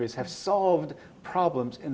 telah menyelesaikan masalah